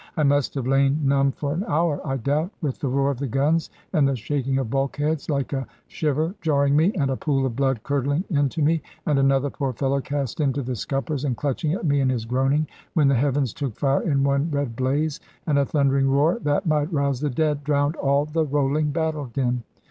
I must have lain numb for an hour, I doubt, with the roar of the guns, and the shaking of bulkheads, like a shiver, jarring me, and a pool of blood curdling into me, and another poor fellow cast into the scuppers and clutching at me in his groaning, when the heavens took fire in one red blaze, and a thundering roar, that might rouse the dead, drowned all the rolling battle din.